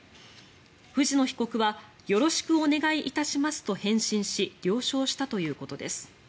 藤野被告はよろしくお願いいたしますと返信し了承したということです。